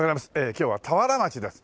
今日は田原町です。